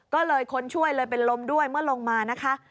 ก็เลยค้นช่วยเลยเป็นลมด้วยเมื่อลงมานะคะ